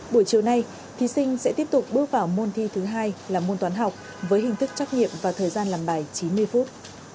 buổi chiều nay thí sinh sẽ tiếp tục bước vào môn thi thứ hai là môn toán học với hình thức trắc nghiệm và thời gian làm bài chín mươi phút